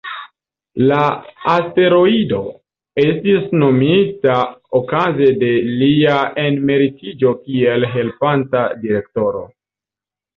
La asteroido estis nomita okaze de lia emeritiĝo kiel helpanta direktoro.